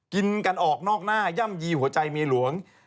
กินกันออกนอกหน้าย่ำยีหัวใจเมียหลวง